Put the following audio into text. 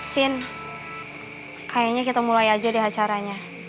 sin kayaknya kita mulai aja di acaranya